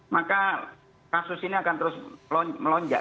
maka kasus ini akan terus melonjak